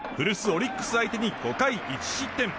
オリックス相手に５回１失点。